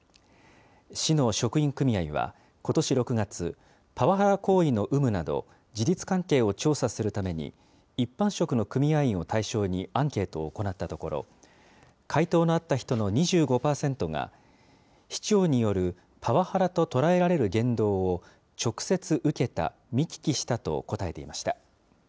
市の職員組合は、ことし６月、パワハラ行為の有無など、事実関係を調査するために、一般職の組合員を対象にアンケートを行ったところ、回答のあった人の２５％が、市長によるパワハラと捉えられる言動を、直接受けた、見聞きしたと答えていました。